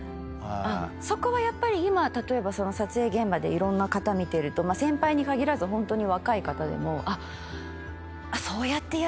そこは今例えば撮影現場でいろんな方見てると先輩に限らずホントに。